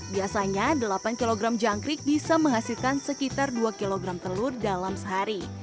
biasanya delapan kg jangkrik bisa menghasilkan sekitar dua kg telur dalam sehari